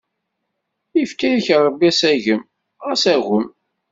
Ifka-yak Ṛebbi asagem, xas agem!